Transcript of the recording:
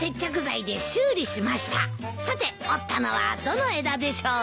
さて折ったのはどの枝でしょう？